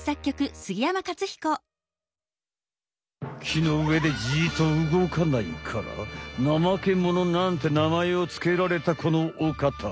木の上でじっとうごかないからナマケモノなんてなまえをつけられたこのおかた。